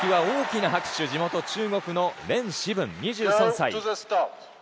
大きな拍手地元・中国のレン・シブン、２３歳。